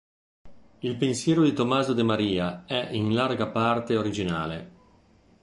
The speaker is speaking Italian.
Il pensiero di Tommaso Demaria è in larga parte originale.